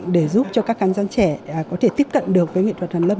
để giúp cho các khán giả trẻ có thể tiếp cận được với nghệ thuật hàn lâm